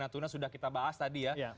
natuna sudah kita bahas tadi ya